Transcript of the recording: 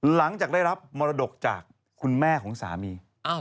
หลังจากได้รับมรดกจากคุณแม่ของสามี